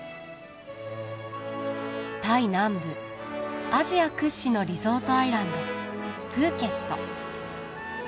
タイ南部アジア屈指のリゾートアイランドプーケット。